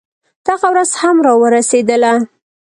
دغه ورځ هم راورسېدله.